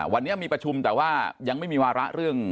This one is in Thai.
วันนี้มีประชุมแต่ว่ายังไม่มีวาระเรื่อง